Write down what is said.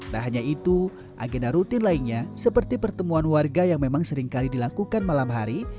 tak hanya itu agenda rutin lainnya seperti pertemuan warga yang memang seringkali dilakukan malam hari